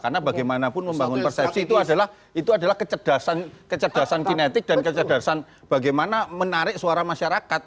karena bagaimanapun membangun persepsi itu adalah kecerdasan kinetik dan kecerdasan bagaimana menarik suara masyarakat